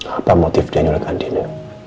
apa motifnya yang dianyulikan dino